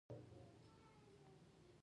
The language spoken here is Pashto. که څوک راته مبارکۍ ته راشي بې تحفې لاړ نه شي.